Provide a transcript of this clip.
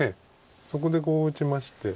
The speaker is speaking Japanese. そこでこう打ちまして。